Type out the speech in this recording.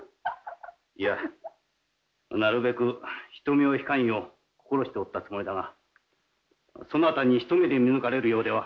いやなるべく人目を引かんよう心しておったつもりだがそなたに一目で見抜かれるようでは。